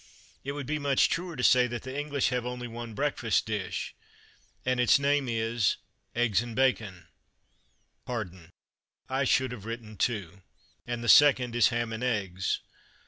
It would be much truer to say that the English have only one breakfast dish, and its name is Eggs and Bacon. Pardon, I should have written two; and the second is ham and eggs.